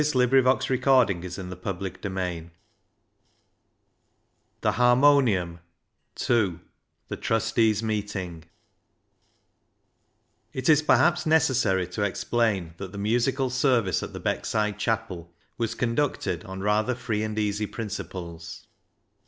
The Harmonium II The Trustees' Meeting 330 The Harmonium II The Trustees' Meeting It is perhaps necessary to explain that the musical service at the Beckside Chapel was conducted on rather free and easy principles.